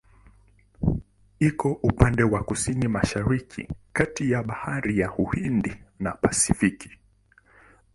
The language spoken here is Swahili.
Iko upande wa Kusini-Mashariki kati ya Bahari ya Uhindi na Pasifiki.